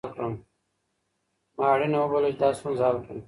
ما اړینه وبلله چي دا ستونزه حل کړم.